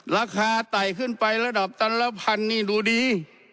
ไต่ขึ้นไประดับตันละพันนี่ดูดี